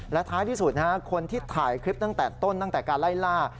และท้ายที่สุดคนที่ถ่ายคลิปตั้งแต่ต้นตั้งแต่การไล่ล่า